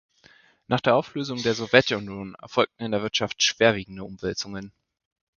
Nach der Auflösung der Sowjetunion erfolgten in der Wirtschaft schwerwiegende Umwälzungen.